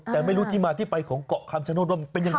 แต่ไม่รู้ที่มาที่ไปของเกาะคัมชะโนธมันเป็นอย่างไร